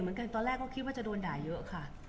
บุ๋มประดาษดาก็มีคนมาให้กำลังใจเยอะ